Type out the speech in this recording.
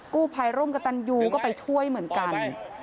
กู้ภัยร่วมกับตันยูก็ไปช่วยเหมือนกัน